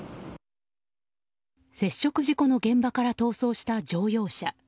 接触事故の現場から逃走した乗用車。